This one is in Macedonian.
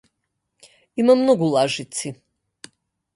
Има многу лажици.